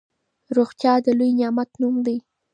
روغتيا د لوی نعمت نوم دی.